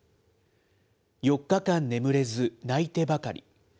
４日間眠れず、泣いてばかり。